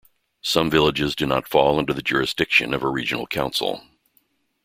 Some villages do not fall under the jurisdiction of a regional council.